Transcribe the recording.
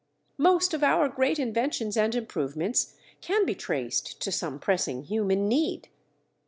Most of our great inventions and improvements can be traced to some pressing human need.